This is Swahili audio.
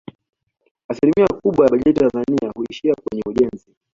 Asilimia kubwa ya bajeti ya Tanzania huishia kwenye ujenzi